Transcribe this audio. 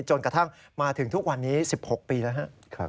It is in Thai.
จนกระทั่งมาถึงทุกวันนี้๑๖ปีแล้วครับ